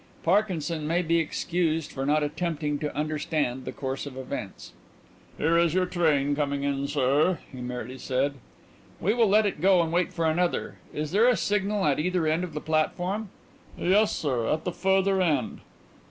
Parkinson may be excused for not attempting to understand the course of events. "Here is your train coming in, sir," he merely said. "We will let it go and wait for another. Is there a signal at either end of the platform?" "Yes, sir; at the further end."